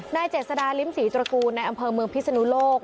เจษดาลิ้มศรีตระกูลในอำเภอเมืองพิศนุโลก